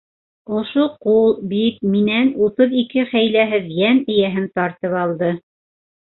Ошо ҡул бит минән утыҙ ике хәйләһеҙ йән эйәһен тартып алды.